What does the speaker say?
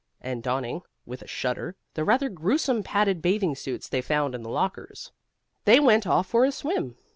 And donning (with a shudder) the rather gruesome padded bathing suits they found in the lockers, they went off for a swim.